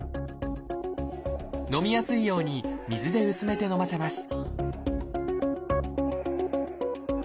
飲みやすいように水で薄めて飲ませます